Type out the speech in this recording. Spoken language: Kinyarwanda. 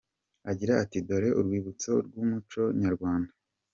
Agira ati “Dore urwibutso rw’umuco nyarwanda.